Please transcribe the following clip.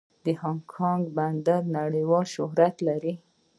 د هانګ کانګ بندر نړیوال شهرت لري.